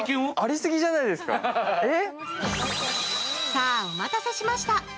さあ、お待たせしました。